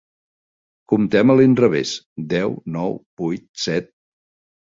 Comptem a l'inrevés: deu, nou, vuit, set...